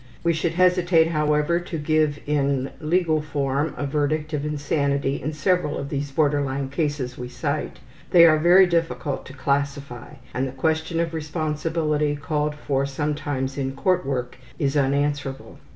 We should hesitate, however, to give in legal form a verdict of insanity in several of these border line cases we cite they are very difficult to classify, and the question of responsibility called for sometimes in court work is unanswerable.